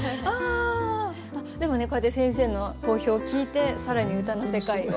でもねこうやって先生の講評を聞いて更に歌の世界を。